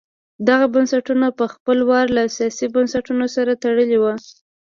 دغه بنسټونه په خپل وار له سیاسي بنسټونو سره تړلي وو.